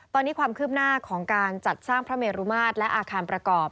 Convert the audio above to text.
ตอนนี้ความคืบหน้าของการจัดสร้างพระเมรุมาตรและอาคารประกอบ